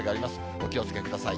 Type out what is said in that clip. お気をつけください。